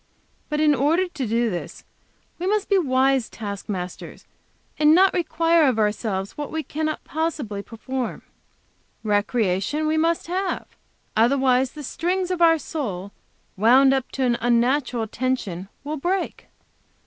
But in order to do this we must be wise task masters, and not require of ourselves what we cannot possibly perform. Recreation we must have. Otherwise the strings of our soul, wound up to an unnatural tension, will break."